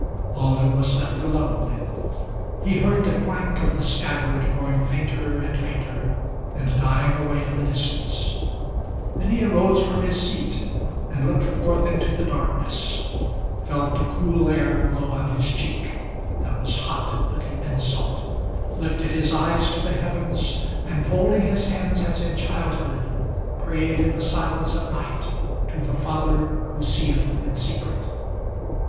Alden was left alone. He heard the clank of the scabbard Growing fainter and fainter, and dying away in the distance. Then he arose from his seat, and looked forth into the darkness, Felt the cool air blow on his cheek, that was hot with the insult, Lifted his eyes to the heavens, and, folding his hands as in childhood, Prayed in the silence of night to the Father who seeth in secret.